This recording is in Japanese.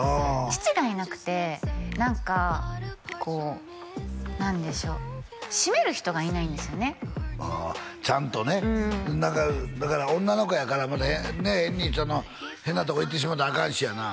父がいなくて何かこう何でしょう締める人がいないんですよねああちゃんとねだから女の子やからまた変に変なとこ行ってしもうたらアカンしやな